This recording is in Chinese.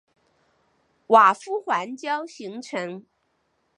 瓦夫环礁形成。